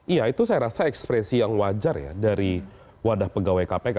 iya itu saya rasa ekspresi yang wajar ya dari wadah pegawai kpk